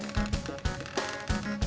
bang ke blok m ya